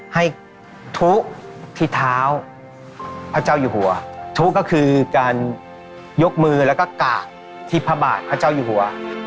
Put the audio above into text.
ให้ทุที่เท้าพระเจ้าอยู่หัวทุก็คือการยกมือแล้วก็กากที่พระบาทพระเจ้าอยู่หัว